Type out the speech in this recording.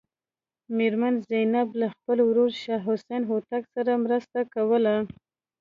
میرمن زینب له خپل ورور شاه حسین هوتک سره مرسته کوله.